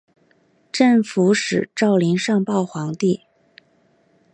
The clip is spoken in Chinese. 镇抚使赵霖上报皇帝。